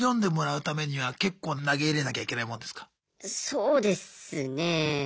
そうですねえ。